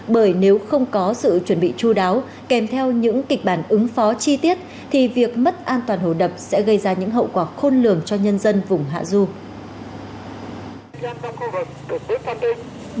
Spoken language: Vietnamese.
bởi nếu không có sự chuẩn bị chú đáo kèm theo những kịch bản ứng phó chi tiết thì việc mất an toàn hồ đập sẽ gây ra những hậu quả khôn lường cho nhân dân vùng hạ du